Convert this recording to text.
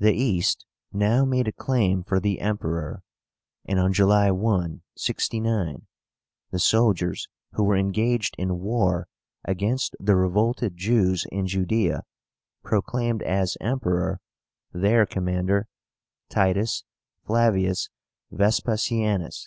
The East now made a claim for the Emperor, and on July 1, 69, the soldiers who were engaged in war against the revolted Jews in Judaea proclaimed as Emperor their commander, TITUS FLAVIUS VESPASIÁNUS.